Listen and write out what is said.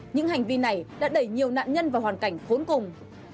những hành vi này đã đẩy nhiều nạn nhân vào hoàn cảnh khốn cùng